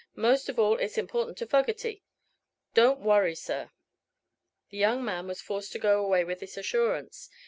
Most of all it's important to Fogerty. Don't worry, sir." The young man was forced to go away with this assurance.